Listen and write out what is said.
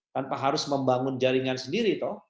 tanpa harus membangun jaringan sendiri toh